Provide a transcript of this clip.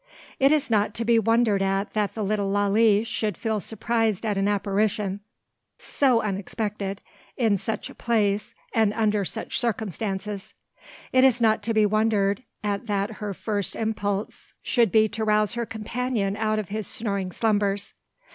It is not to be wondered at that the little Lalee should feel surprise at an apparition, so unexpected, in such a place, and under such circumstances. It is not to be wondered at that her first impulse should be to rouse her companion out of his snoring slumbers.